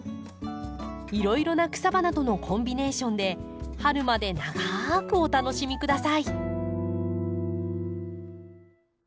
いろいろな草花とのコンビネーションで春まで長くお楽しみ下さい。